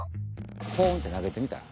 ポンってなげてみたら？